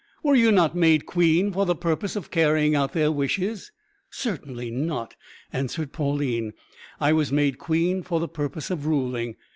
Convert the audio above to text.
"Were you not made queen for the purpose of carrying out their wishes?" "Certainly not," answered Pauline; "I was made queen for the purpose of ruling.